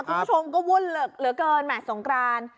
คุณผู้ชมก็วุ่นเหลือเกินแหม่สงกราน